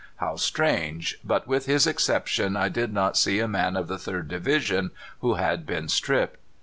How strange! but with his exception I did not see a man of the Third Division who had been stripped."